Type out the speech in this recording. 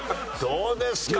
どうですかね？